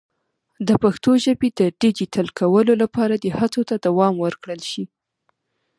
د پښتو ژبې د ډیجیټل کولو لپاره دې هڅو ته دوام ورکړل شي.